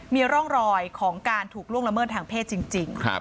มีร่องรอยของการถูกล่วงละเมิดทางเพศจริง